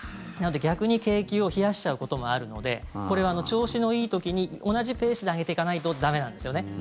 なので、逆に景気を冷やしちゃうこともあるのでこれは調子のいい時に同じペースで上げていかないと駄目なんですよね。